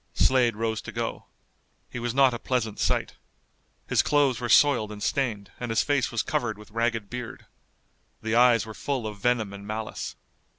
Slade rose to go. He was not a pleasant sight. His clothes were soiled and stained, and his face was covered with ragged beard. The eyes were full of venom and malice.